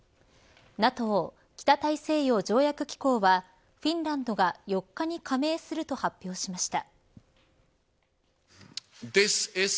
ＮＡＴＯ北大西洋条約機構はフィンランドが４日に加盟すると発表しました。